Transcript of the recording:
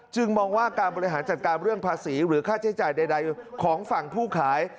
มองว่าการบริหารจัดการเรื่องภาษีหรือค่าใช้จ่ายใดของฝั่งผู้ขาย